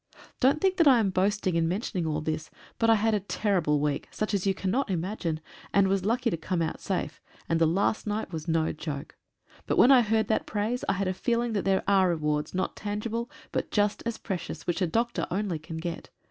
Don't think that I am boasting in mentioning all this. But I had a terrible week, such as you cannot imagine, and was lucky to come out safe, and the last night was no joke — but when I heard that praise I had a feeling that there are rewards not tangible, but just as precious which a doctor only can get.